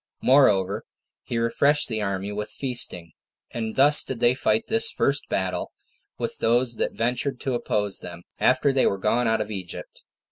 Moreover, he refreshed the army with feasting. And thus did they fight this first battle with those that ventured to oppose them, after they were gone out of Egypt.